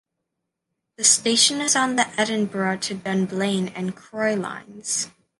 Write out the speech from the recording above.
The station is on the Edinburgh to Dunblane and Croy Lines.